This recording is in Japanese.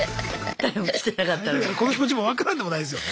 だからこの気持ちも分からんでもないですよ。